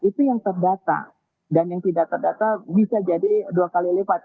itu yang terdata dan yang tidak terdata bisa jadi dua kali lipat